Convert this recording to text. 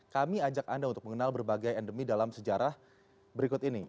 kami ajak anda untuk mengenal berbagai endemi dalam sejarah berikut ini